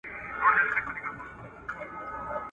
د مرګ تر ورځي دغه داستان دی `